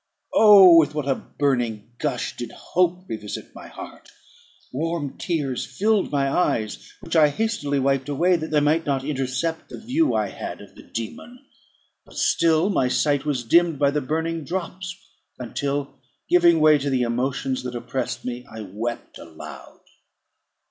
Oh! with what a burning gush did hope revisit my heart! warm tears filled my eyes, which I hastily wiped away, that they might not intercept the view I had of the dæmon; but still my sight was dimmed by the burning drops, until, giving way to the emotions that oppressed me, I wept aloud.